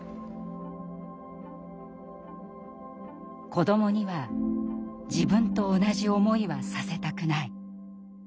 子どもには自分と同じ思いはさせたくない。